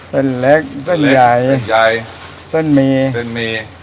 เส้นเล็กเส้นใหญ่เส้นใหญ่ใหญ่เส้นหมี่เส้นหมี่